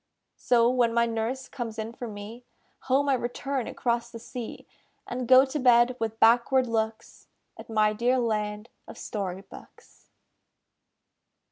So, when my nurse comes in for me, Home I return across the sea, And go to bed with backward looks At my dear land of Story books.